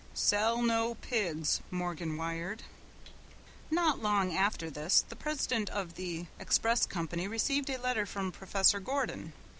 "Sell no pigs," Morgan wired. Not long after this the president of the express company received a letter from Professor Gordon.